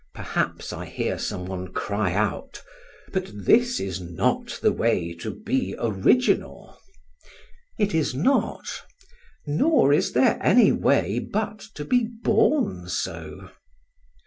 Perhaps I hear someone cry out: But this is not the way to be original! It is not; nor is there any way but to be born so.